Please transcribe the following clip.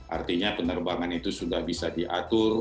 artinya penerbangan itu sudah bisa diatur